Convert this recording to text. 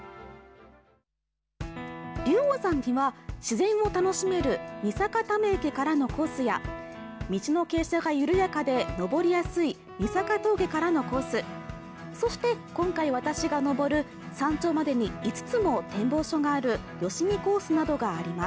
竜王山には自然を楽しめる深坂溜池からのコースや道の傾斜が緩やかで登りやすい深坂峠からのコースそして今回私が登る山頂までに５つも展望所がある吉見コースなどがあります